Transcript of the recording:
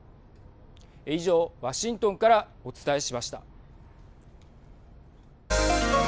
以上ワシントンからお伝えしました。